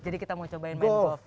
jadi kita mau cobain main golf